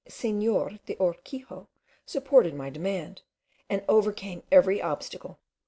Senor de Urquijo supported my demand, and overcame every obstacle.